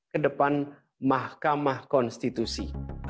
ke depan mahkamah konstitusi